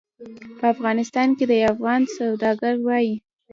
په افغانستان کې یو افغان سوداګر وایي.